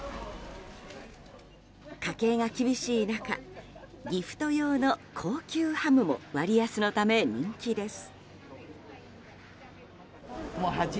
家計が厳しい中ギフト用の高級ハムも割安のため、人気です。